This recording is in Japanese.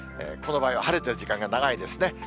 この場合は晴れてる時間が長いですね。